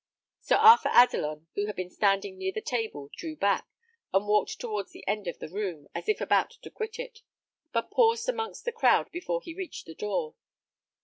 Sir Arthur Adelon, who had been standing near the table, drew back, and walked towards the end of the room, as if about to quit it, but paused amongst the crowd before he reached the door.